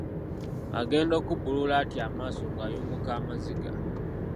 Agenda okubbulula ati amaaso ng'ayunguka amaziga.